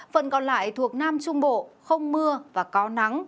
phần còn lại thuộc nam trung bộ không mưa và có nắng